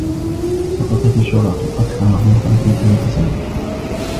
حقّقت الشّرطة أكثر عمقا في حياة سامي.